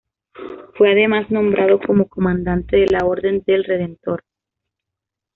Fue además nombrado como Comandante de la Orden del Redentor.